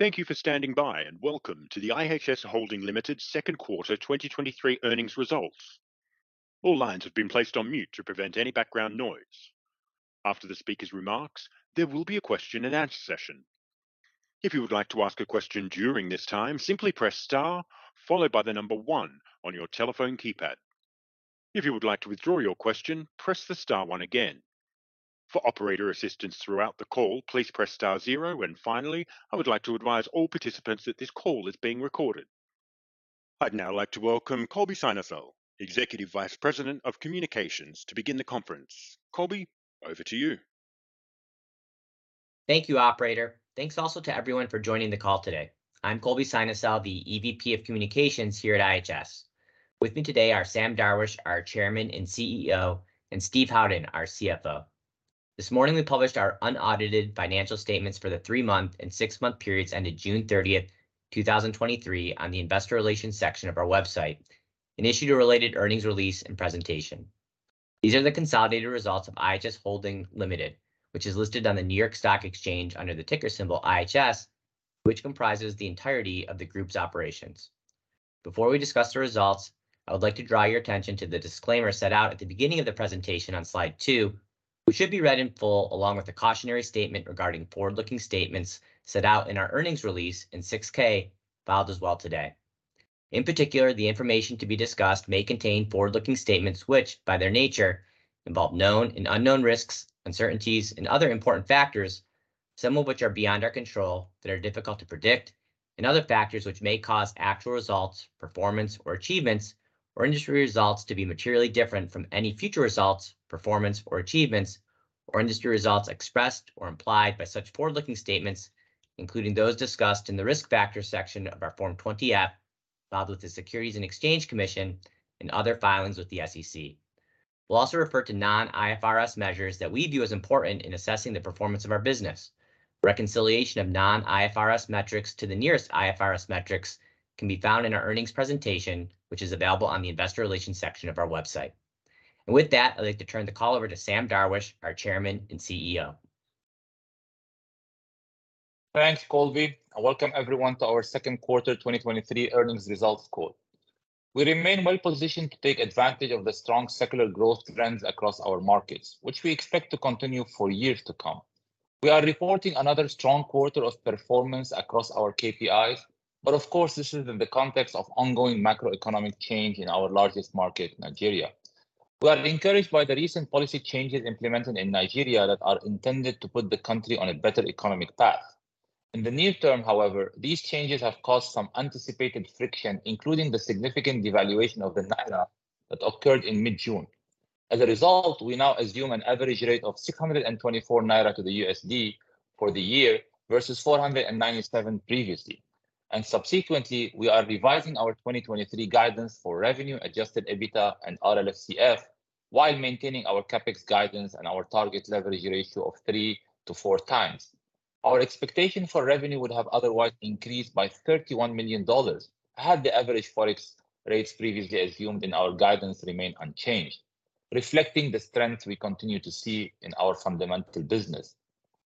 Thank you for standing by, and welcome to the IHS Holding Limited Q2 2023 earnings results. All lines have been placed on mute to prevent any background noise. After the speaker's remarks, there will be a Q&A session. If you would like to ask a question during this time, simply press star followed by 1 on your telephone keypad. If you would like to withdraw your question, press the star one again. For operator assistance throughout the call, please press star 0. Finally, I would like to advise all participants that this call is being recorded. I'd now like to welcome Colby Synesael, Executive Vice President of Communications, to begin the conference. Colby, over to you. Thank you, operator. Thanks also to everyone for joining the call today. I'm Colby Synesael, the EVP of Communications here at IHS. With me today are Sam Darwish, our Chairman and CEO, and Steve Howden, our CFO. This morning, we published our unaudited financial statements for the 3 month and 6-month periods ended June 30th, 2023, on the investor relations section of our website and issued a related earnings release and presentation. These are the consolidated results of IHS Holding Limited, which is listed on the New York Stock Exchange under the ticker symbol IHS, which comprises the entirety of the group's operations. Before we discuss the results, I would like to draw your attention to the disclaimer set out at the beginning of the presentation on slide 2, which should be read in full, along with the cautionary statement regarding forward-looking statements set out in our earnings release in 6-K, filed as well today. In particular, the information to be discussed may contain forward-looking statements which, by their nature, involve known and unknown risks, uncertainties, and other important factors, some of which are beyond our control, that are difficult to predict, and other factors which may cause actual results, performance, or achievements, or industry results to be materially different from any future results, performance, or achievements, or industry results expressed or implied by such forward-looking statements, including those discussed in the Risk Factors section of our Form 20-F, filed with the Securities and Exchange Commission and other filings with the SEC. We'll also refer to non-IFRS measures that we view as important in assessing the performance of our business. Reconciliation of non-IFRS metrics to the nearest IFRS metrics can be found in our earnings presentation, which is available on the investor relations section of our website. With that, I'd like to turn the call over to Sam Darwish, our Chairman and CEO. Thanks, Colby, welcome everyone to our Q2 2023 earnings results call. We remain well positioned to take advantage of the strong secular growth trends across our markets, which we expect to continue for years to come. We are reporting another strong quarter of performance across our KPIs, of course, this is in the context of ongoing macroeconomic change in our largest market, Nigeria. We are encouraged by the recent policy changes implemented in Nigeria that are intended to put the country on a better economic path. In the near term, however, these changes have caused some anticipated friction, including the significant devaluation of the naira that occurred in mid-June. As a result, we now assume an average rate of 624 naira to the USD for the year, versus 497 previously. Subsequently, we are revising our 2023 guidance for revenue, adjusted EBITDA and RLFCF, while maintaining our CapEx guidance and our target leverage ratio of 3 to 4x. Our expectation for revenue would have otherwise increased by $31 million, had the average Forex rates previously assumed in our guidance remained unchanged, reflecting the strength we continue to see in our fundamental business.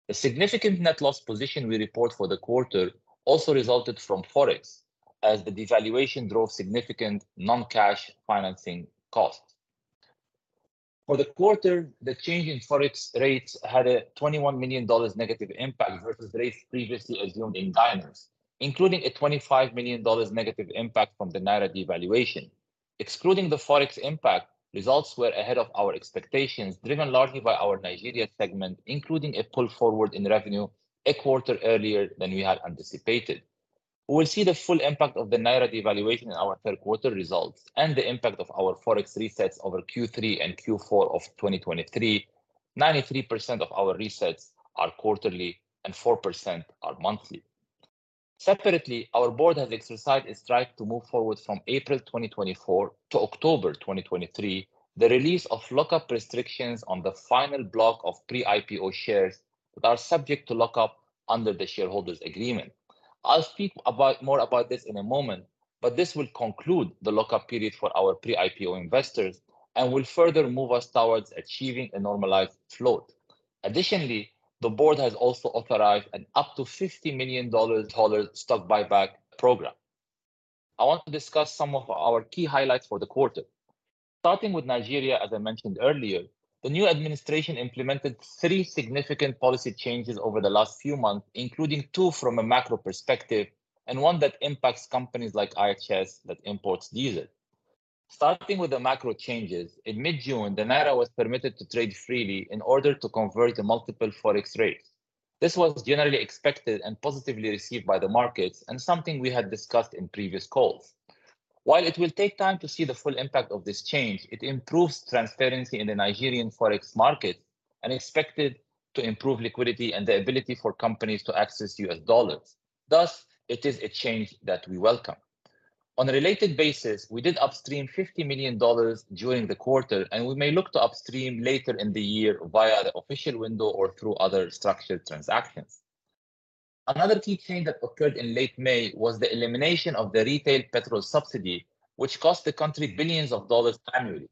The significant net loss position we report for the quarter also resulted from Forex, as the devaluation drove significant non-cash financing costs. For the quarter, the change in Forex rates had a $21 million negative impact versus rates previously assumed in dinars, including a $25 million negative impact from the naira devaluation. Excluding the Forex impact, results were ahead of our expectations, driven largely by our Nigeria segment, including a pull forward in revenue a quarter earlier than we had anticipated. We will see the full impact of the naira devaluation in our Q3 results and the impact of our Forex resets over Q3 and Q4 of 2023. 93% of our resets are quarterly and 4% are monthly. Separately, our board has exercised its right to move forward from April 2024 to October 2023, the release of lock-up restrictions on the final block of pre-IPO shares that are subject to lock-up under the shareholders' agreement. I'll speak about, more about this in a moment, but this will conclude the lock-up period for our pre-IPO investors and will further move us towards achieving a normalized float. Additionally, the board has also authorized an up to $50 million stock buyback program. I want to discuss some of our key highlights for the quarter. Starting with Nigeria, as I mentioned earlier, the new administration implemented 3 significant policy changes over the last few months, including 2 from a macro perspective and 1 that impacts companies like IHS that imports diesel. Starting with the macro changes, in mid-June, the naira was permitted to trade freely in order to convert to multiple Forex rates. This was generally expected and positively received by the markets and something we had discussed in previous calls. While it will take time to see the full impact of this change, it improves transparency in the Nigerian Forex market and expected to improve liquidity and the ability for companies to access US dollars. Thus, it is a change that we welcome. On a related basis, we did upstream $50 million during the quarter, and we may look to upstream later in the year via the official window or through other structured transactions. Another key change that occurred in late May was the elimination of the retail petrol subsidy, which cost the country $ billions annually.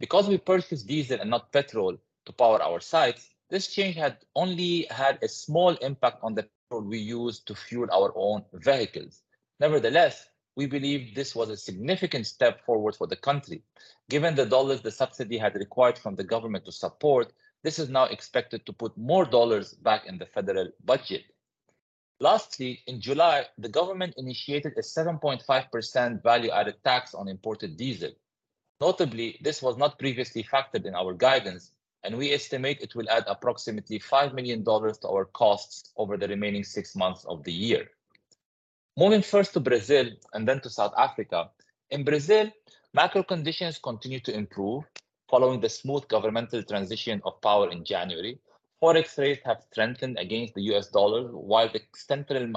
Because we purchase diesel and not petrol to power our sites, this change had only had a small impact on the petrol we use to fuel our own vehicles. Nevertheless, we believe this was a significant step forward for the country. Given the dollars the subsidy had required from the government to support, this is now expected to put more dollars back in the federal budget. Lastly, in July, the government initiated a 7.5% Value Added Tax on imported diesel. Notably, this was not previously factored in our guidance, and we estimate it will add approximately $5 million to our costs over the remaining 6 months of the year. Moving first to Brazil and then to South Africa. In Brazil, macro conditions continue to improve following the smooth governmental transition of power in January. Forex rates have strengthened against the U.S. dollar, while the central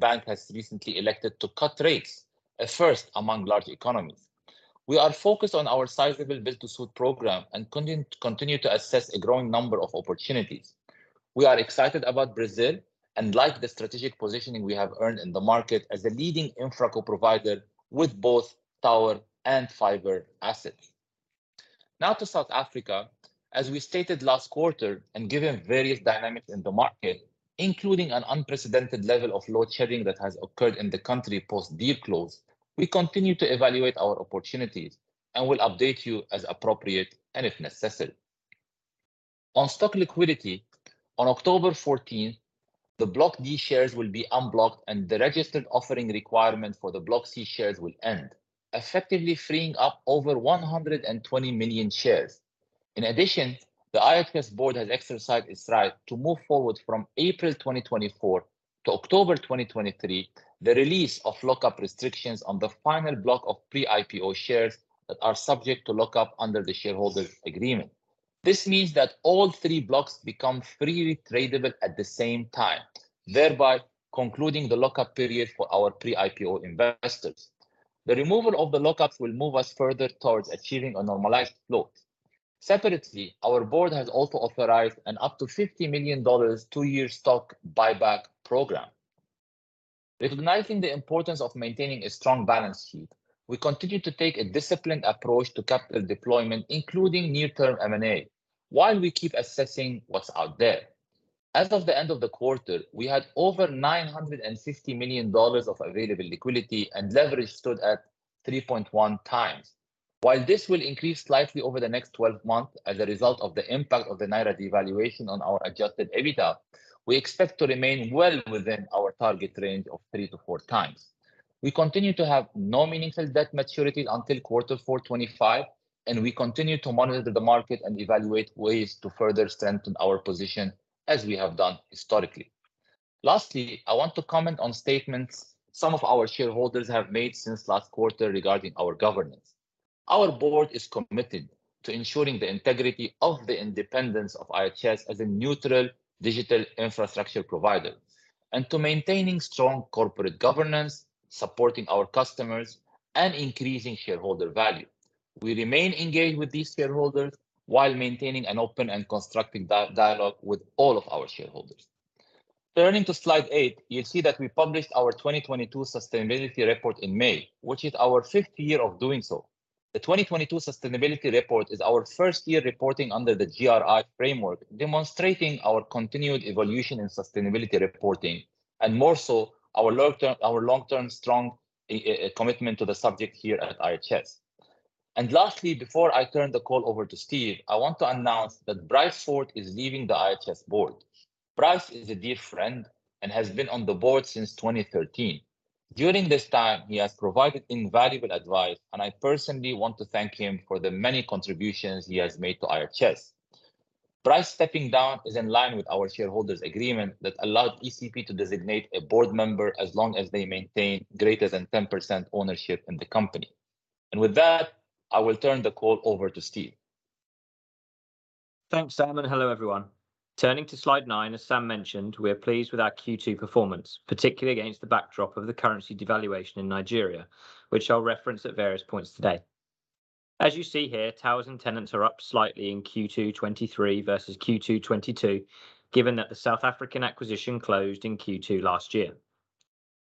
bank has recently elected to cut rates, a first among large economies. We are focused on our sizable build-to-suit program and continue to assess a growing number of opportunities. We are excited about Brazil, and like the strategic positioning we have earned in the market as a leading InfraCo provider with both tower and fiber assets. Now to South Africa. As we stated last quarter, given various dynamics in the market, including an unprecedented level of load shedding that has occurred in the country post deal close, we continue to evaluate our opportunities and will update you as appropriate and if necessary. On stock liquidity, on October 14th, the Block D shares will be unblocked, the registered offering requirement for the Block C shares will end, effectively freeing up over 120 million shares. In addition, the IHS board has exercised its right to move forward from April 2024 to October 2023, the release of lock-up restrictions on the final block of pre-IPO shares that are subject to lock-up under the shareholders' agreement. This means that all 3 blocks become freely tradable at the same time, thereby concluding the lock-up period for our pre-IPO investors. The removal of the lock-ups will move us further towards achieving a normalized float. Separately, our board has also authorized an up to $50 million 2-year stock buyback program. Recognizing the importance of maintaining a strong balance sheet, we continue to take a disciplined approach to capital deployment, including near-term M&A, while we keep assessing what's out there. As of the end of the quarter, we had over $960 million of available liquidity, and leverage stood at 3.1x. While this will increase slightly over the next 12 months as a result of the impact of the naira devaluation on our adjusted EBITDA, we expect to remain well within our target range of 3-4x. We continue to have no meaningful debt maturity until Q4 2025. We continue to monitor the market and evaluate ways to further strengthen our position, as we have done historically. Lastly, I want to comment on statements some of our shareholders have made since last quarter regarding our governance. Our board is committed to ensuring the integrity of the independence of IHS as a neutral digital infrastructure provider, and to maintaining strong corporate governance, supporting our customers, and increasing shareholder value. We remain engaged with these shareholders while maintaining an open and constructive dialogue with all of our shareholders. Turning to Slide 8, you'll see that we published our 2022 sustainability report in May, which is our 5th year of doing so. The 2022 sustainability report is our first year reporting under the GRI framework, demonstrating our continued evolution in sustainability reporting, and more so, our long-term, our long-term strong commitment to the subject here at IHS. Lastly, before I turn the call over to Steve, I want to announce that Bryce Fort is leaving the IHS board. Bryce is a dear friend and has been on the board since 2013. During this time, he has provided invaluable advice, and I personally want to thank him for the many contributions he has made to IHS. Bryce stepping down is in line with our shareholders' agreement that allowed ECP to designate a board member as long as they maintain greater than 10% ownership in the company. With that, I will turn the call over to Steve. Thanks, Sam. Hello, everyone. Turning to Slide 9, as Sam mentioned, we are pleased with our Q2 performance, particularly against the backdrop of the currency devaluation in Nigeria, which I'll reference at various points today. As you see here, towers and tenants are up slightly in Q2 '23 versus Q2 '22, given that the South African acquisition closed in Q2 last year.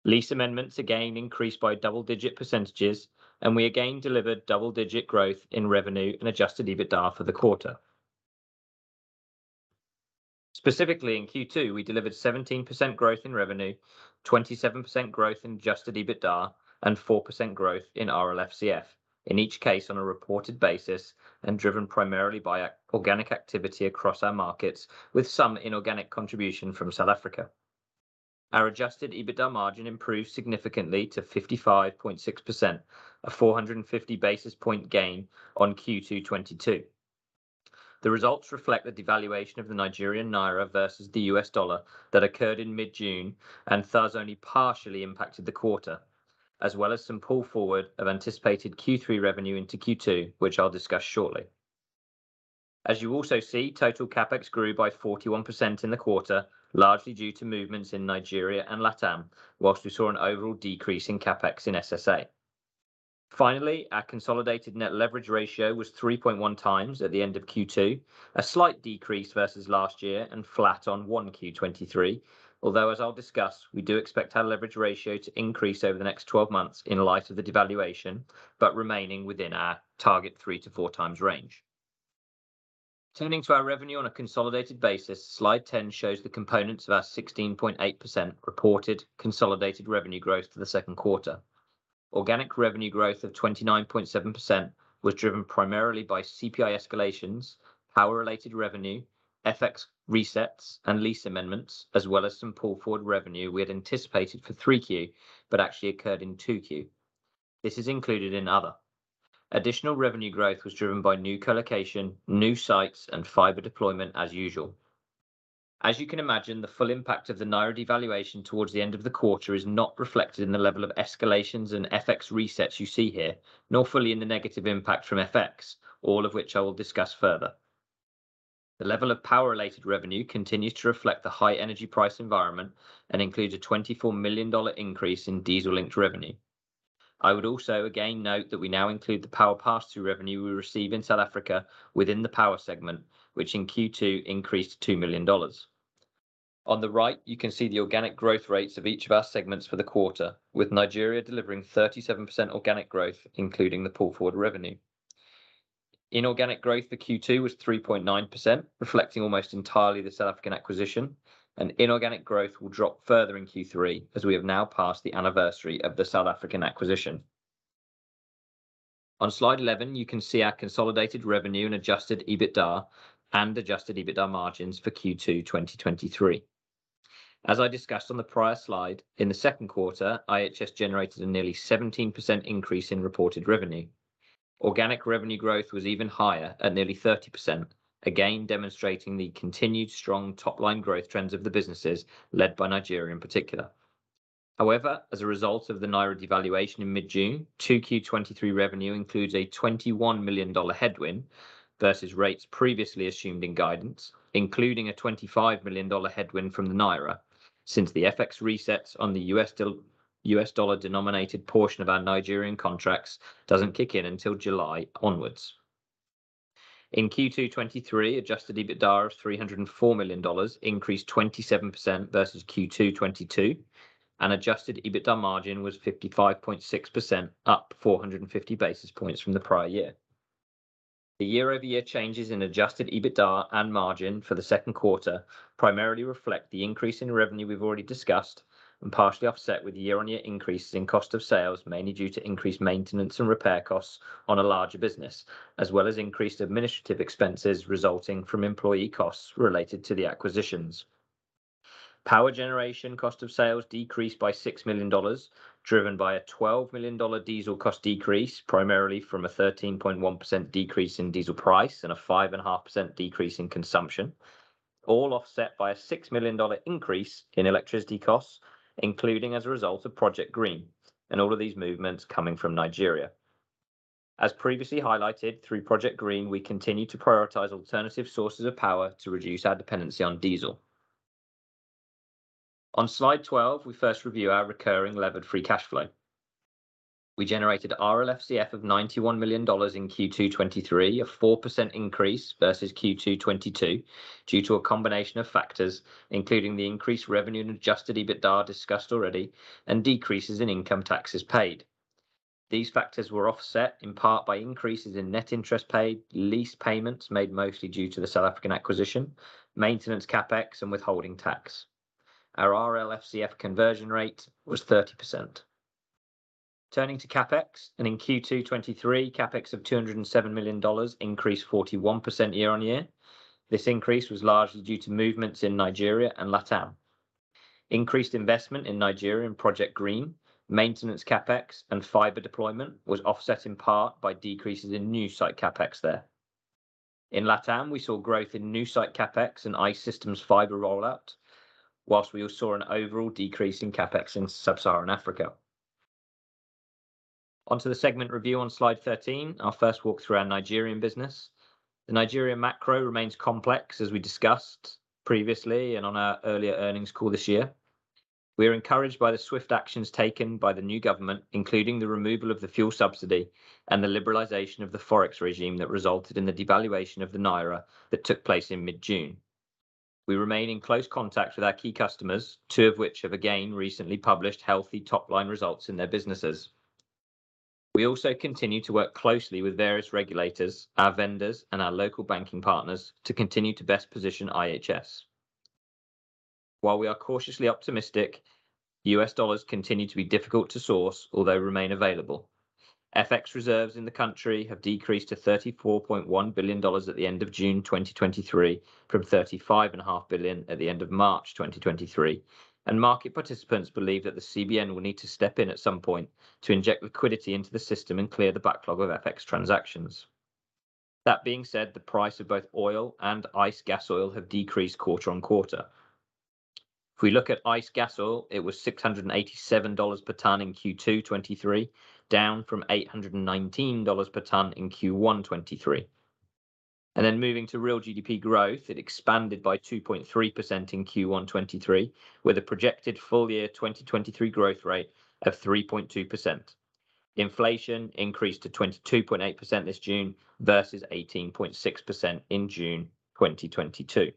Lease amendments again increased by double-digit %, we again delivered double-digit growth in revenue and adjusted EBITDA for the quarter. Specifically, in Q2, we delivered 17% growth in revenue, 27% growth in adjusted EBITDA, and 4% growth in RLFCF, in each case on a reported basis and driven primarily by organic activity across our markets, with some inorganic contribution from South Africa. Our adjusted EBITDA margin improved significantly to 55.6%, a 450 basis point gain on Q2 2022. The results reflect the devaluation of the Nigerian naira versus the US dollar that occurred in mid-June and thus only partially impacted the quarter, as well as some pull forward of anticipated Q3 revenue into Q2, which I'll discuss shortly. As you also see, total CapEx grew by 41% in the quarter, largely due to movements in Nigeria and LATAM, whilst we saw an overall decrease in CapEx in SSA. Finally, our consolidated net leverage ratio was 3.1x at the end of Q2, a slight decrease versus last year and flat on 1 Q2 2023. Although, as I'll discuss, we do expect our leverage ratio to increase over the next 12 months in light of the devaluation, remaining within our target 3-4x range. Turning to our revenue on a consolidated basis, slide 10 shows the components of our 16.8% reported consolidated revenue growth for the 2Q. Organic revenue growth of 29.7% was driven primarily by CPI escalations, power-related revenue, FX resets, and lease amendments, as well as some pull-forward revenue we had anticipated for 3Q, but actually occurred in 2Q. This is included in other. Additional revenue growth was driven by new colocation, new sites, and fiber deployment as usual. As you can imagine, the full impact of the naira devaluation towards the end of the quarter is not reflected in the level of escalations and FX resets you see here, nor fully in the negative impact from FX, all of which I will discuss further. The level of power-related revenue continues to reflect the high energy price environment and includes a $24 million increase in diesel-linked revenue. I would also again note that we now include the power pass-through revenue we receive in South Africa within the power segment, which in Q2 increased $2 million. On the right, you can see the organic growth rates of each of our segments for the quarter, with Nigeria delivering 37% organic growth, including the pull-forward revenue. Inorganic growth for Q2 was 3.9%, reflecting almost entirely the South African acquisition. Inorganic growth will drop further in Q3 as we have now passed the anniversary of the South African acquisition. On Slide 11, you can see our consolidated revenue and adjusted EBITDA and adjusted EBITDA margins for Q2 2023. As I discussed on the prior slide, in the Q2, IHS generated a nearly 17% increase in reported revenue. Organic revenue growth was even higher at nearly 30%, again, demonstrating the continued strong top-line growth trends of the businesses led by Nigeria in particular. However, as a result of the Naira devaluation in mid-June, 2Q23 revenue includes a $21 million headwind versus rates previously assumed in guidance, including a $25 million headwind from the Naira. Since the FX resets on the US dollar-denominated portion of our Nigerian contracts doesn't kick in until July onwards. In Q2 '23, adjusted EBITDA of $304 million increased 27% versus Q2 '22, and adjusted EBITDA margin was 55.6%, up 450 basis points from the prior year. The year-over-year changes in adjusted EBITDA and margin for the Q2 primarily reflect the increase in revenue we've already discussed and partially offset with year-on-year increases in cost of sales, mainly due to increased maintenance and repair costs on a larger business, as well as increased administrative expenses resulting from employee costs related to the acquisitions. Power generation cost of sales decreased by $6 million, driven by a $12 million diesel cost decrease, primarily from a 13.1% decrease in diesel price and a 5.5% decrease in consumption, all offset by a $6 million increase in electricity costs, including as a result of Project Green, and all of these movements coming from Nigeria. As previously highlighted, through Project Green, we continue to prioritize alternative sources of power to reduce our dependency on diesel. On Slide 12, we first review our recurring levered free cash flow. We generated RLFCF of $91 million in Q2 2023, a 4% increase versus Q2 2022, due to a combination of factors, including the increased revenue and adjusted EBITDA discussed already and decreases in income taxes paid. These factors were offset in part by increases in net interest paid, lease payments made mostly due to the South African acquisition, maintenance CapEx, and withholding tax. Our RLFCF conversion rate was 30%. Turning to CapEx, in Q2 2023, CapEx of $207 million increased 41% year-on-year. This increase was largely due to movements in Nigeria and LATAM. Increased investment in Nigeria and Project Green, maintenance CapEx and fiber deployment was offset in part by decreases in new site CapEx there. In LATAM, we saw growth in new site CapEx and iSystems fiber rollout, whilst we also saw an overall decrease in CapEx in Sub-Saharan Africa. Onto the segment review on Slide 13, our first walk through our Nigerian business. The Nigerian macro remains complex, as we discussed previously and on our earlier earnings call this year. We are encouraged by the swift actions taken by the new government, including the removal of the fuel subsidy and the liberalization of the Forex regime that resulted in the devaluation of the naira that took place in mid-June. We remain in close contact with our key customers, 2 of which have again recently published healthy top-line results in their businesses. We continue to work closely with various regulators, our vendors, and our local banking partners to continue to best position IHS. While we are cautiously optimistic, U.S. dollars continue to be difficult to source, although remain available. FX reserves in the country have decreased to $34.1 billion at the end of June 2023, from $35.5 billion at the end of March 2023. Market participants believe that the CBN will need to step in at some point to inject liquidity into the system and clear the backlog of FX transactions. That being said, the price of both oil and ICE Gasoil have decreased quarter-on-quarter. If we look at ICE Gasoil, it was $687 per ton in Q2 2023, down from $819 per ton in Q1 2023. Moving to real GDP growth, it expanded by 2.3% in Q1 2023, with a projected full year 2023 growth rate of 3.2%. Inflation increased to 22.8% this June, versus 18.6% in June 2022.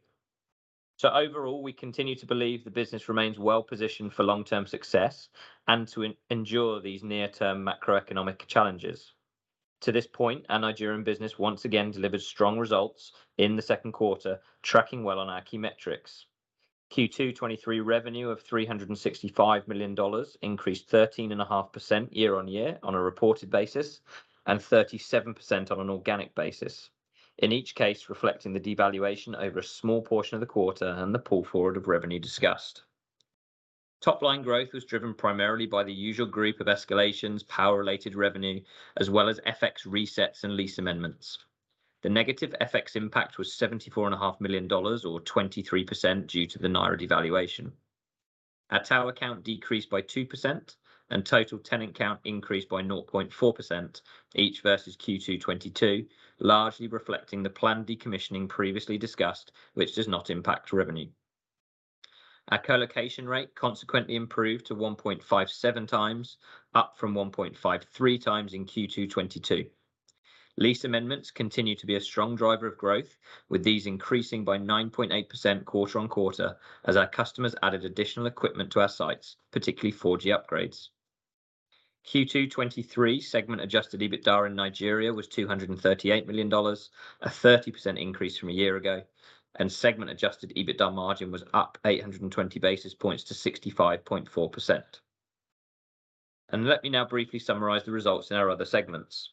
Overall, we continue to believe the business remains well-positioned for long-term success and to endure these near-term macroeconomic challenges. To this point, our Nigerian business once again delivered strong results in the Q2, tracking well on our key metrics. Q2 '23 revenue of $365 million increased 13.5% year-on-year on a reported basis, and 37% on an organic basis. In each case, reflecting the devaluation over a small portion of the quarter and the pull forward of revenue discussed. Top-line growth was driven primarily by the usual group of escalations, power-related revenue, as well as FX resets and lease amendments. The negative FX impact was $74.5 million, or 23%, due to the Naira devaluation. Our tower count decreased by 2%, and total tenant count increased by 0.4%, each versus Q2 2022, largely reflecting the planned decommissioning previously discussed, which does not impact revenue. Our colocation rate consequently improved to 1.57x, up from 1.53x in Q2 2022. Lease amendments continue to be a strong driver of growth, with these increasing by 9.8% quarter-on-quarter as our customers added additional equipment to our sites, particularly 4G upgrades. Q2 2023 segment adjusted EBITDA in Nigeria was $238 million, a 30% increase from a year ago, and segment-adjusted EBITDA margin was up 820 basis points to 65.4%. Let me now briefly summarize the results in our other segments.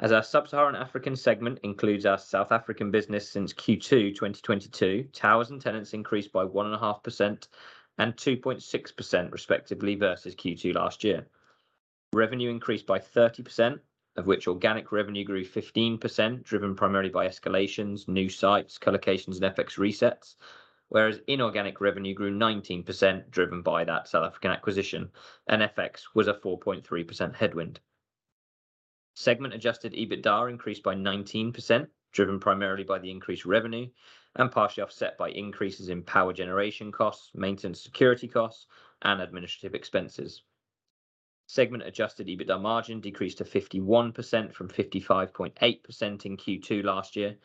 As our Sub-Saharan African segment includes our South African business since Q2 2022, towers and tenants increased by 1.5% and 2.6% respectively versus Q2 last year. Revenue increased by 30%, of which organic revenue grew 15%, driven primarily by escalations, new sites, colocations and FX resets, whereas inorganic revenue grew 19%, driven by that South African acquisition, and FX was a 4.3% headwind. Segment-adjusted EBITDA increased by 19%, driven primarily by the increased revenue and partially offset by increases in power generation costs, maintenance security costs, and administrative expenses. Segment-adjusted EBITDA margin decreased to 51% from 55.8% in Q2 last year.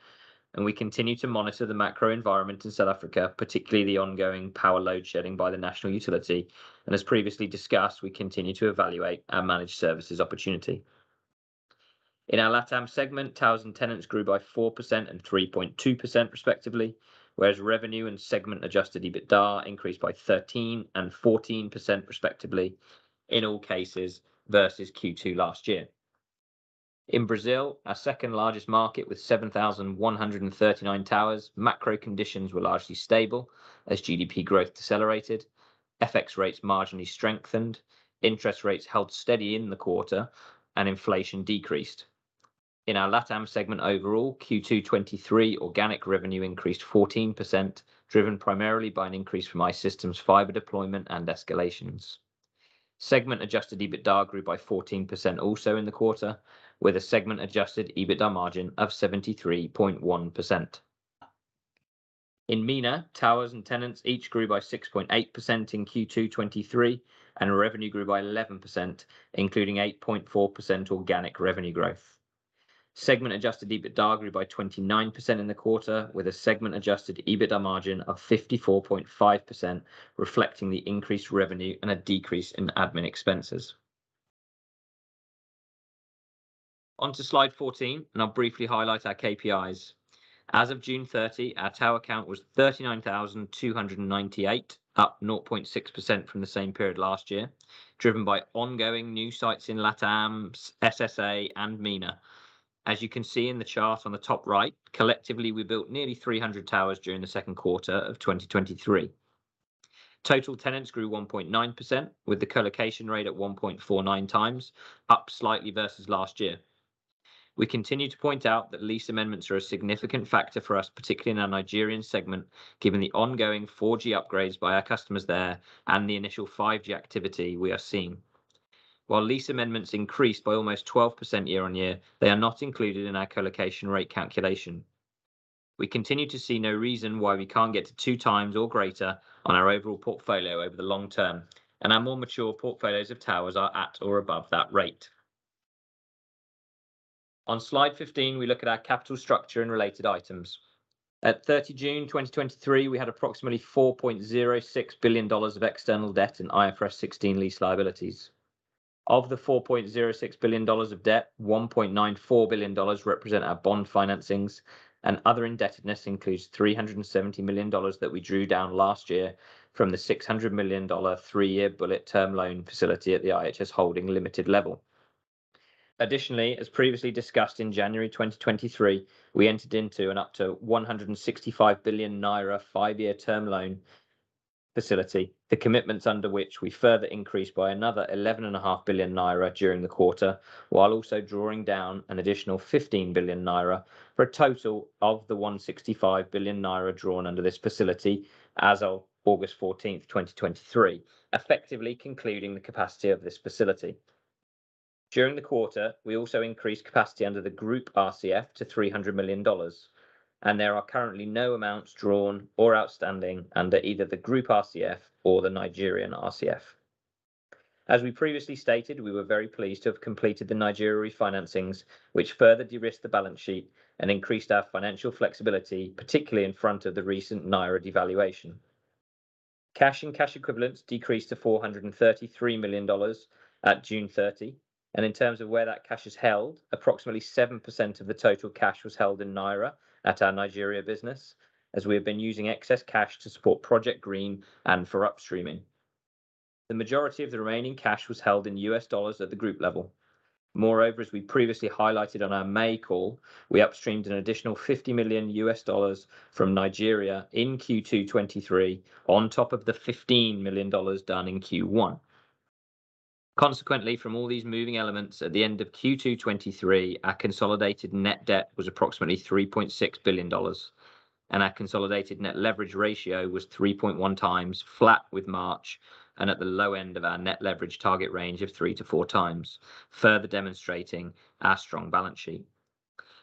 We continue to monitor the macro environment in South Africa, particularly the ongoing power load shedding by the national utility. As previously discussed, we continue to evaluate our managed services opportunity. In our LATAM segment, towers and tenants grew by 4% and 3.2%, respectively, whereas revenue and segment-adjusted EBITDA increased by 13% and 14%, respectively, in all cases versus Q2 last year. In Brazil, our second-largest market with 7,139 towers, macro conditions were largely stable as GDP growth decelerated, Forex rates marginally strengthened, interest rates held steady in the quarter, and inflation decreased. In our LATAM segment overall, Q2 2023 organic revenue increased 14%, driven primarily by an increase from iSystems fiber deployment and escalations. Segment-adjusted EBITDA grew by 14% also in the quarter, with a segment-adjusted EBITDA margin of 73.1%. In MENA, towers and tenants each grew by 6.8% in Q2 '23. Revenue grew by 11%, including 8.4% organic revenue growth. Segment-adjusted EBITDA grew by 29% in the quarter, with a segment-adjusted EBITDA margin of 54.5%, reflecting the increased revenue and a decrease in admin expenses. On to Slide 14, I'll briefly highlight our KPIs. As of June 30, our tower count was 39,298, up 0.6% from the same period last year, driven by ongoing new sites in LATAM, SSA, and MENA. As you can see in the chart on the top right, collectively, we built nearly 300 towers during the Q2 of 2023. Total tenants grew 1.9%, with the colocation rate at 1.49x up slightly versus last year. We continue to point out that lease amendments are a significant factor for us, particularly in our Nigerian segment, given the ongoing 4G upgrades by our customers there and the initial 5G activity we are seeing. While lease amendments increased by almost 12% year-on-year, they are not included in our colocation rate calculation. We continue to see no reason why we can't get to 2x or greater on our overall portfolio over the long term, and our more mature portfolios of towers are at or above that rate. On Slide 15, we look at our capital structure and related items. At thirty June 2023, we had approximately $4.06 billion of external debt and IFRS 16 lease liabilities. Of the $4.06 billion of debt, $1.94 billion represent our bond financings, and other indebtedness includes $370 million that we drew down last year from the $600 million 3-year bullet term loan facility at the IHS Holding Limited level. Additionally, as previously discussed, in January 2023, we entered into an up to 165 billion naira 5-year term loan facility, the commitments under which we further increased by another 11.5 billion naira during the quarter, while also drawing down an additional 15 billion naira, for a total of the 165 billion naira drawn under this facility as of August 14, 2023, effectively concluding the capacity of this facility. During the quarter, we also increased capacity under the group RCF to $300 million. There are currently no amounts drawn or outstanding under either the group RCF or the Nigerian RCF. As we previously stated, we were very pleased to have completed the Nigeria refinancings, which further de-risked the balance sheet and increased our financial flexibility, particularly in front of the recent naira devaluation. Cash and cash equivalents decreased to $433 million at June 30. In terms of where that cash is held, approximately 7% of the total cash was held in naira at our Nigeria business, as we have been using excess cash to support Project Green and for upstreaming. The majority of the remaining cash was held in US dollars at the group level. Moreover, as we previously highlighted on our May call, we upstreamed an additional $50 million from Nigeria in Q2 2023, on top of the $15 million done in Q1. Consequently, from all these moving elements, at the end of Q2 2023, our consolidated net debt was approximately $3.6 billion, and our consolidated net leverage ratio was 3.1x flat with March, and at the low end of our net leverage target range of 3-4x, further demonstrating our strong balance sheet.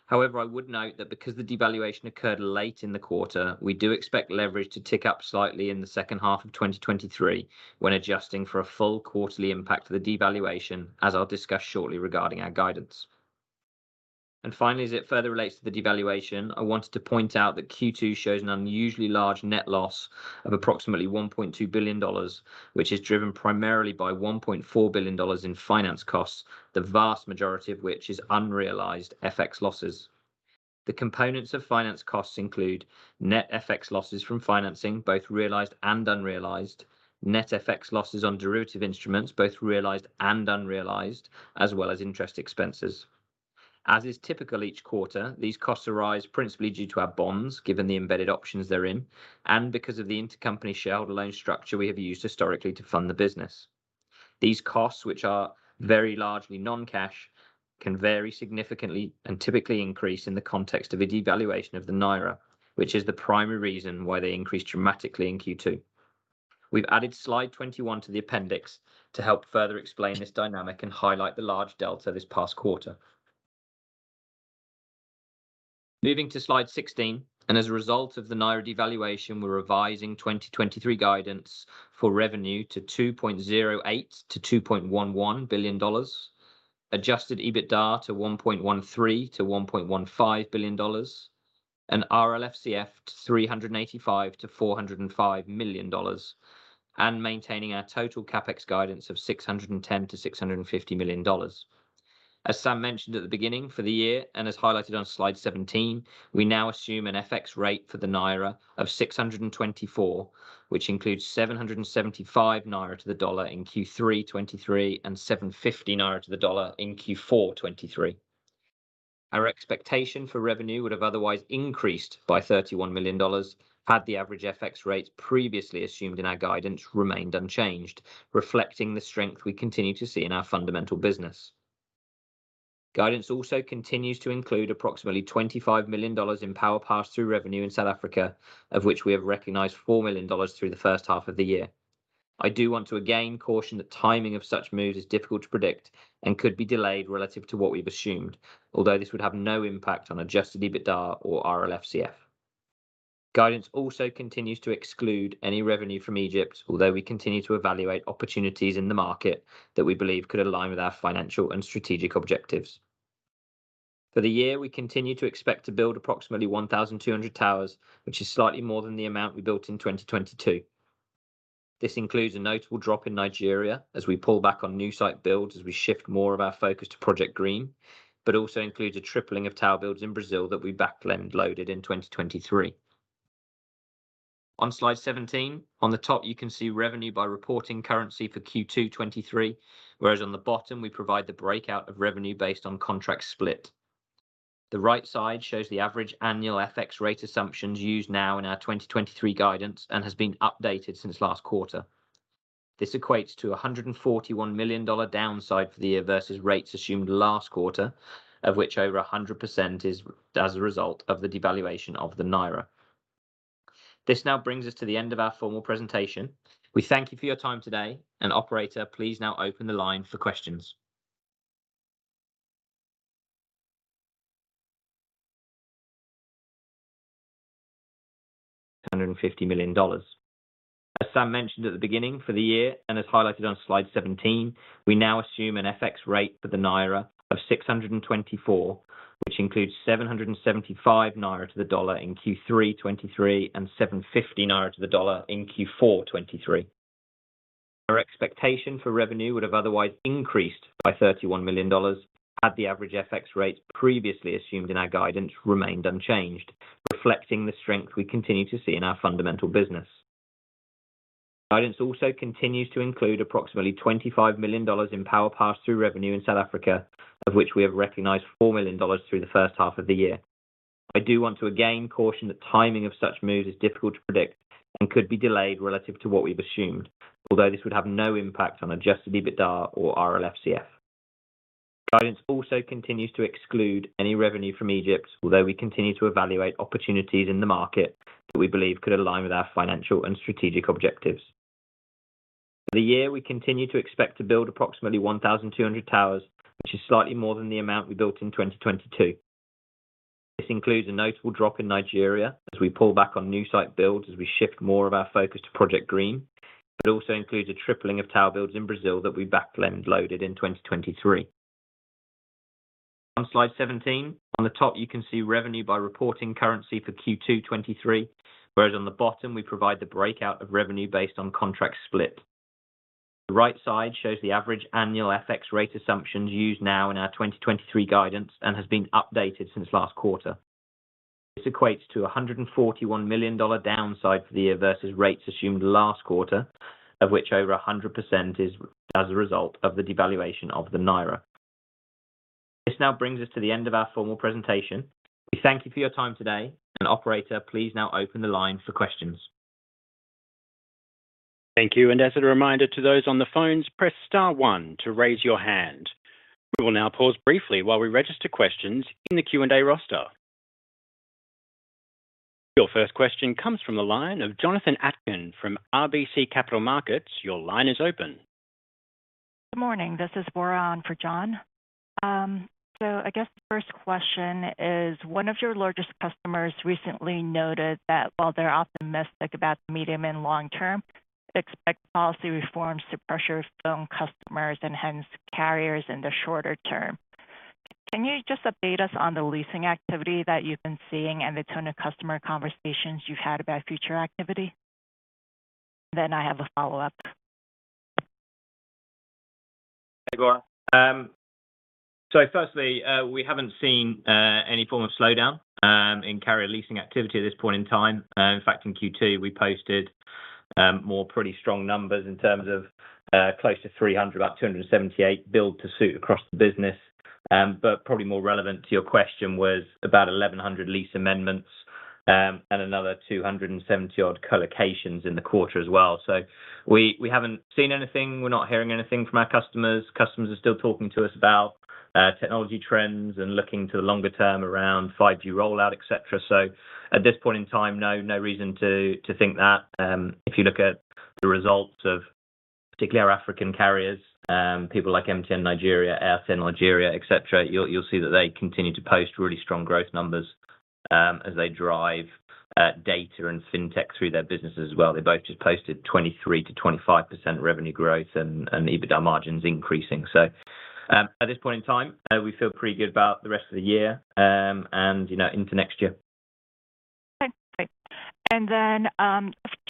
However, I would note that because the devaluation occurred late in the quarter, we do expect leverage to tick up slightly in the H2 of 2023, when adjusting for a full quarterly impact of the devaluation, as I'll discuss shortly regarding our guidance. Finally, as it further relates to the devaluation, I wanted to point out that Q2 shows an unusually large net loss of approximately $1.2 billion, which is driven primarily by $1.4 billion in finance costs, the vast majority of which is unrealized FX losses. The components of finance costs include net FX losses from financing, both realized and unrealized, net FX losses on derivative instruments, both realized and unrealized, as well as interest expenses. As is typical each quarter, these costs arise principally due to our bonds, given the embedded options they're in, and because of the intercompany shareholder loan structure we have used historically to fund the business. These costs, which are very largely non-cash, can vary significantly and typically increase in the context of a devaluation of the Naira, which is the primary reason why they increased dramatically in Q2. We've added slide 21 to the appendix to help further explain this dynamic and highlight the large delta this past quarter. Moving to slide 16, As a result of the naira devaluation, we're revising 2023 guidance for revenue to $2.08 billion-$2.11 billion, adjusted EBITDA to $1.13 billion-$1.15 billion, and RLFCF to $385 million-$405 million, and maintaining our total CapEx guidance of $610 million-$650 million. As Sam mentioned at the beginning, for the year, as highlighted on slide 17, we now assume an FX rate for the naira of 624, which includes 775 naira to the dollar in Q3 2023, and 750 naira to the dollar in Q4 2023. Our expectation for revenue would have otherwise increased by $31 million, had the average FX rates previously assumed in our guidance remained unchanged, reflecting the strength we continue to see in our fundamental business. Guidance also continues to include approximately $25 million in power pass-through revenue in South Africa, of which we have recognized $4 million through the first half of the year. I do want to again caution that timing of such moves is difficult to predict and could be delayed relative to what we've assumed, although this would have no impact on adjusted EBITDA or RLFCF. On slide 17, on the top, you can see revenue by reporting currency for Q2 '23, whereas on the bottom we provide the breakout of revenue based on contract split. The right side shows the average annual FX rate assumptions used now in our 2023 guidance and has been updated since last quarter. This equates to a $141 million downside for the year versus rates assumed last quarter, of which over 100% is as a result of the devaluation of the Naira. This now brings us to the end of our formal presentation. We thank you for your time today, operator, please now open the line for questions. Thank you. As a reminder to those on the phones, press star 1 to raise your hand. We will now pause briefly while we register questions in the Q&A roster. Your 1st question comes from the line of Jonathan Atkin from RBC Capital Markets. Your line is open. Good morning. This is Bora in for John. So I guess the first question is, one of your largest customers recently noted that while they're optimistic about the medium and long term, expect policy reforms to pressure phone customers and hence carriers in the shorter term. Can you just update us on the leasing activity that you've been seeing and the tone of customer conversations you've had about future activity? I have a follow-up. Hey, Bora. So firstly, we haven't seen any form of slowdown in carrier leasing activity at this point in time. In fact, in Q2, we posted more pretty strong numbers in terms of close to 300, about 278 build-to-suit across the business. But probably more relevant to your question was about 1,100 lease amendments, and another 270 odd colocations in the quarter as well. We, we haven't seen anything. We're not hearing anything from our customers. Customers are still talking to us about technology trends and looking to the longer term around 5-year rollout, et cetera. At this point in time, no, no reason to, to think that. If you look at the results of particularly our African carriers, people like MTN Nigeria, MTN Algeria, et cetera, you'll, you'll see that they continue to post really strong growth numbers as they drive data and fintech through their business as well. They both just posted 23%-25% revenue growth and EBITDA margins increasing. At this point in time, we feel pretty good about the rest of the year, and you know, into next year. Okay, great. Then,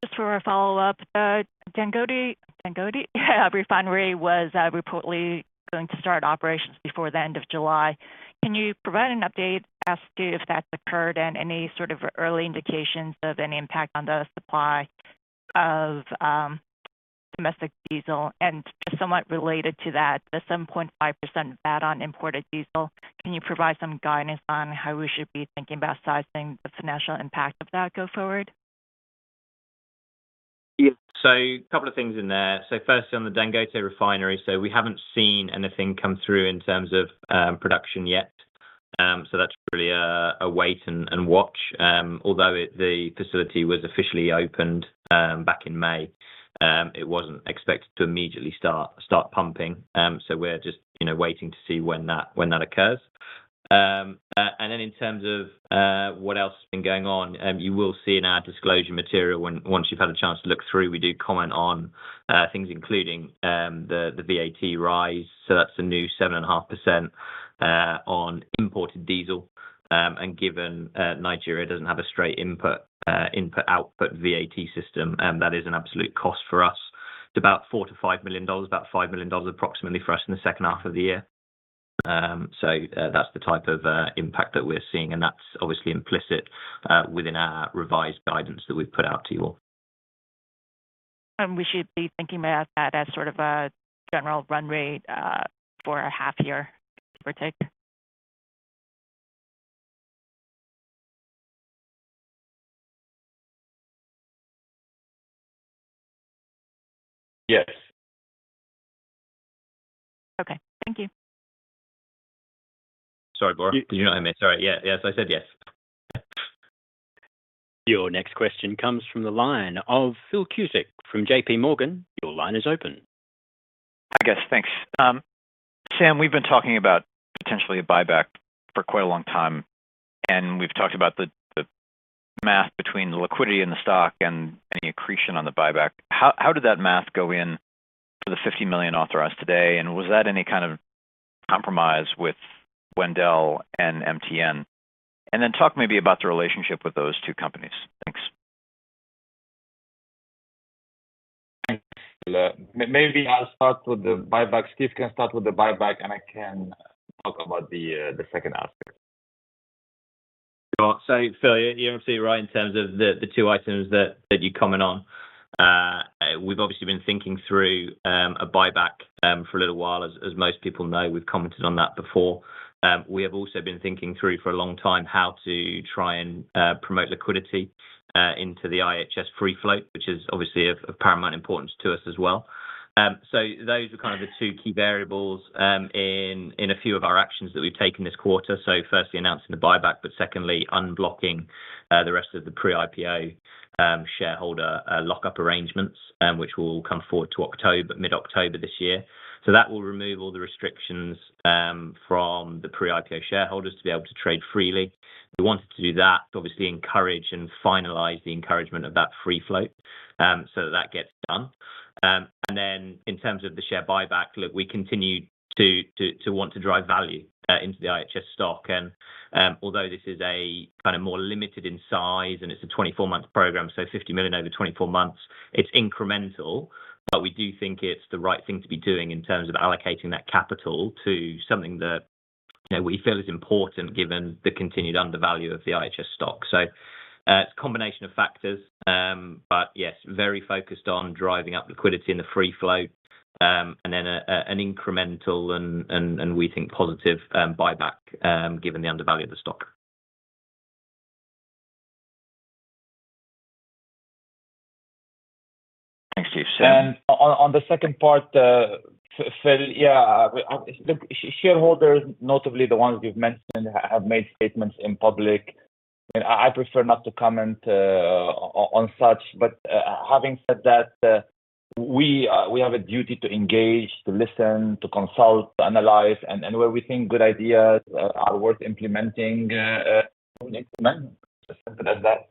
just for a follow-up, Dangote, Dangote Oil Refinery was reportedly going to start operations before the end of July. Can you provide an update as to if that's occurred and any sort of early indications of any impact on the supply of domestic diesel? Just somewhat related to that, the 7.5% VAT on imported diesel, can you provide some guidance on how we should be thinking about sizing the financial impact of that go forward? Yeah. A couple of things in there. Firstly, on the Dangote Oil Refinery, we haven't seen anything come through in terms of production yet. That's really a, a wait and, and watch. Although it the facility was officially opened back in May, it wasn't expected to immediately start, start pumping. We're just, you know, waiting to see when that, when that occurs. In terms of what else has been going on, you will see in our disclosure material once you've had a chance to look through, we do comment on things including the, the VAT rise. That's the new 7.5% on imported diesel. Given Nigeria doesn't have a straight input input/output VAT system, that is an absolute cost for us. It's about $4 million-$5 million, about $5 million approximately for us in the H2 of the year. That's the type of impact that we're seeing, and that's obviously implicit within our revised guidance that we've put out to you all. We should be thinking about that as sort of a general run rate, for a half year, correct? Yes. Okay. Thank you. Sorry, Bora. You know what I mean? Sorry. Yeah. Yes, I said yes. Your next question comes from the line of Phil Cusick from J.P. Morgan. Your line is open. Hi, guys. Thanks. Sam, we've been talking about potentially a buyback for quite a long time. We've talked about the, the math between the liquidity and the stock and any accretion on the buyback. How, how did that math go in for the $50 million authorized today? Was that any kind of compromise with Wendel and MTN? Then talk maybe about the relationship with those 2 companies. Thanks. Thanks, Phil. Maybe I'll start with the buyback. Steve can start with the buyback, and I can talk about the second aspect. Phil, you're obviously right in terms of the, the 2 items that, that you comment on. We've obviously been thinking through a buyback for a little while. As most people know, we've commented on that before. We have also been thinking through for a long time how to try and promote liquidity into the IHS free float, which is obviously of, of paramount importance to us as well. Those are kind of the 2 key variables in a few of our actions that we've taken this quarter. Firstly, announcing the buyback, but secondly, unblocking the rest of the pre-IPO shareholder lock-up arrangements, which will come forward to October, mid-October this year. That will remove all the restrictions from the pre-IPO shareholders to be able to trade freely. We wanted to do that to obviously encourage and finalize the encouragement of that free float, so that that gets done. Then in terms of the share buyback, look, we continue to, to, to want to drive value into the IHS stock. Although this is a kind of more limited in size and it's a 24-month program, so $50 million over 24 months, it's incremental, but we do think it's the right thing to be doing in terms of allocating that capital to something that, you know, we feel is important given the continued undervalue of the IHS stock. It's a combination of factors, but yes, very focused on driving up liquidity in the free float, and then a an incremental and, and, and we think positive buyback given the undervalue of the stock. Thanks, Steve. On, on the second part, Phil, yeah, look, shareholders, notably the ones you've mentioned, have made statements in public, and I, I prefer not to comment on such. Having said that, we, we have a duty to engage, to listen, to consult, to analyze, and, where we think good ideas are worth implementing, we implement, just simple as that.